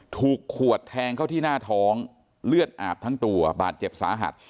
ถูกขวดแทงเข้าที่หน้าท้องเลือดอาบทั้งตัวบาดเจ็บสาหัส